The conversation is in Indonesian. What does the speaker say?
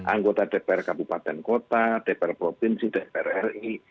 anggota dpr kabupaten kota dpr provinsi dpr ri